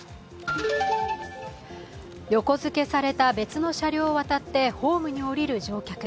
横付けされた別の車両を渡ってホームに降りる乗客。